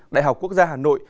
đại học quốc gia hà nội